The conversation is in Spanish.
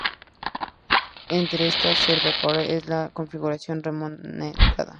Entre estas, "Server Core" es la configuración recomendada.